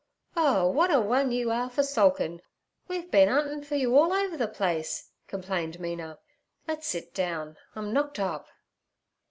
'Oh, w'at a one you are for sulkin'! We've been 'untin' for you all over the place' complained Mina. 'Let's sit down: I'm knocked up.'